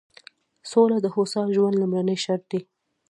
سوله د هوسا ژوند لومړنی شرط دی.